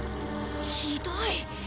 ひどい！